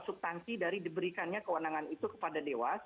subtansi dari diberikannya kewenangan itu kepada dewas